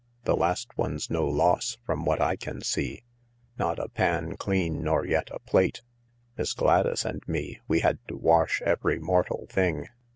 The last one's no loss, from what I can see — not a pan clean nor yet a plate. Miss Gladys and me, we had to wash every mortal thing.